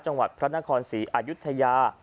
จังหวัดพระนครศรีอายุทยา